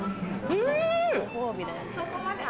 うん。